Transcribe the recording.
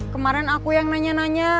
kemarin aku yang nanya nanya